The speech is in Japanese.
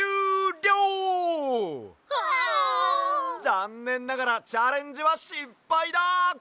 ざんねんながらチャレンジはしっぱいだ！